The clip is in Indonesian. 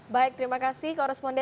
baik terima kasih